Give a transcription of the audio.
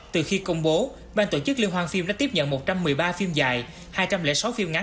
từ khi công bố ban tổ chức liên hoan phim đã tiếp nhận một trăm một mươi ba phim dài hai trăm linh sáu phim ngắn